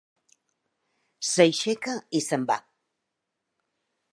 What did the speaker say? S'aixeca i se'n va.